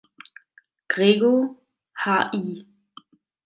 Gregor, Hl.